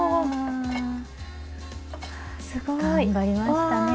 すごい！頑張りましたね。